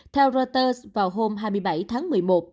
theo reuters vào hôm hai mươi bảy tháng một mươi một